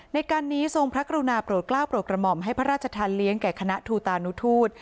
ในการนี้ทรงพระกรุณาโปรดกล้าวโปรดกระหม่อมให้พระราชทานเลี้ยงแก่คณะทูตานุทูต